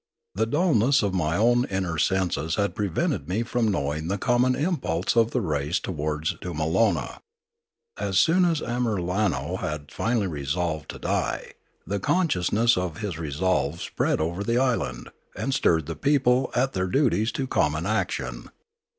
The dulness of my own inner senses had prevented me from knowing the common impulse of the race towards Doomalona. As soon as Amiralno had finally resolved to die, the consciousness of his resolve spread over the island, and stirred the people at their duties to common action.